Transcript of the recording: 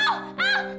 ini kalau spesial